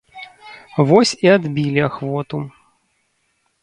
Вось і адбілі ахвоту.